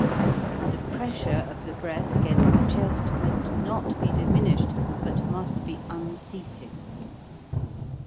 The pressure of the breath against the chest must not be diminished, but must be unceasing.